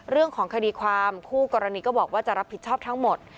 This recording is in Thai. เรื่องของคดีความคู่กรณีก็บอกว่าจะรับผิดชอบทั้งหมด